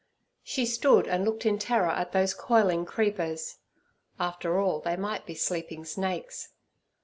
She stood and looked in terror at those coiling creepers; after all, they might be sleeping snakes.